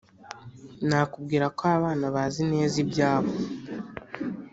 nakubwira ko abana bazi neza ibyabo